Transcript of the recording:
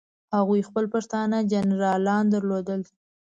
هغوی خپل پښتانه جنرالان درلودل.